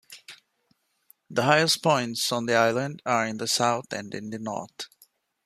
The highest points on the island are in the south and in the north.